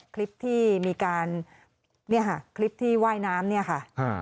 คลิปที่มีการคลิปที่ว่ายน้ำนี่ค่ะ